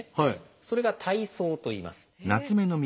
それが「大棗」といいます。